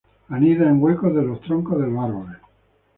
Anida en huecos de los troncos de los árboles.